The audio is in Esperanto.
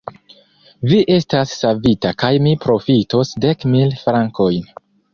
Vi estas savita kaj mi profitos dek mil frankojn.